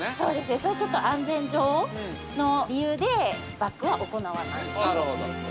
それはちょっと安全上の理由でバックは行わない。